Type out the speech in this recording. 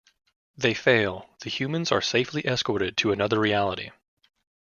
They fail; the humans are safely escorted to another reality.